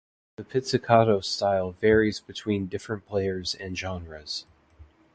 The pizzicato style varies between different players and genres.